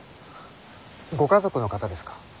ご家族の方ですか？